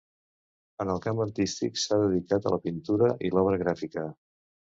En el camp artístic s'ha dedicat a la pintura i l'obra gràfica.